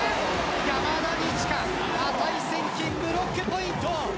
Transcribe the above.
山田二千華値千金、ブロックポイント。